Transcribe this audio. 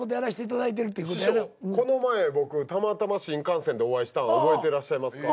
たまたま新幹線でお会いしたん覚えてらっしゃいますか？